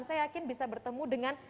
saya yakin bisa bertemu dengan